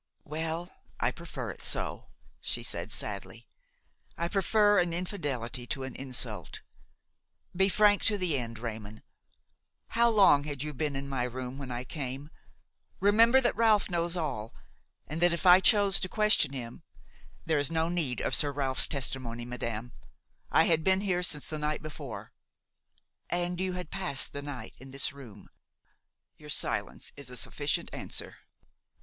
"Well, I prefer it so," she said sadly; "I prefer an infidelity to an insult. Be frank to the end, Raymon. How long had you been in my room when I came? Remember that Ralph knows all, and that, if I chose to question him–" "There is no need of Sir Ralph's testimony, madame. I had been here since the night before." "And you had passed the night in this room. Your silence is a sufficient answer."